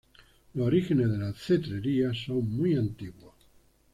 Los orígenes de la cetrería son muy antiguos.